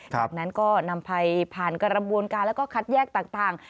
จากนั้นก็นำไปผ่านกระบวนการแล้วก็คัดแยกต่าง